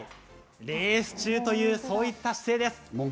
レース中というそういった姿勢です。